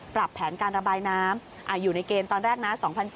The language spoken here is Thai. ปรับแผนการระบายน้ำอยู่ในเกณฑ์ตอนแรกนะ